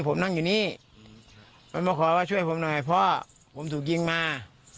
ผมนั่งอยู่นี่มันมาขอว่าช่วยผมหน่อยพ่อผมถูกยิงมา